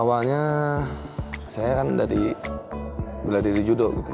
awalnya saya kan dari bela diri judo gitu